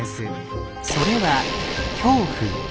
それは「恐怖」。